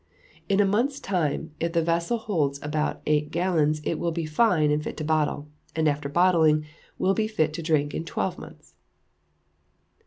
In a month's time, if the vessel holds about eight gallons, it will be fine and fit to bottle, and after bottling, will be fit to drink in twelve months.